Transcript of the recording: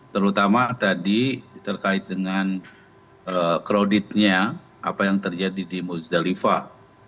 terutama tadi terkait dengan kroditnya apa yang terjadi di muzdalifah